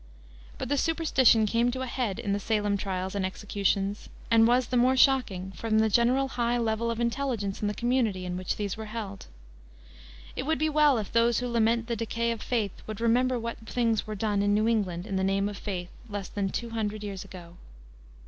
But the superstition came to a head in the Salem trials and executions, and was the more shocking from the general high level of intelligence in the community in which these were held. It would be well if those who lament the decay of "faith" would remember what things were done in New England in the name of faith less than two hundred years ago.